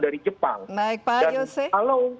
dari jepang dan kalau